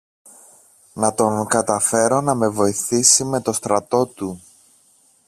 να τον καταφέρω να με βοηθήσει με το στρατό του